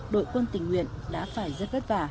đội quân tình nguyện đã phải rất vất vả